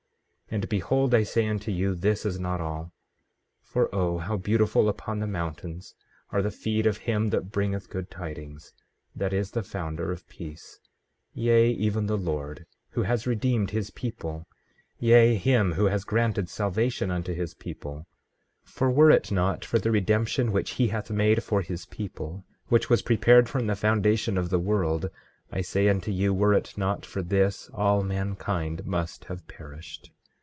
15:18 And behold, I say unto you, this is not all. For O how beautiful upon the mountains are the feet of him that bringeth good tidings, that is the founder of peace, yea, even the Lord, who has redeemed his people; yea, him who has granted salvation unto his people; 15:19 For were it not for the redemption which he hath made for his people, which was prepared from the foundation of the world, I say unto you, were it not for this, all mankind must have perished.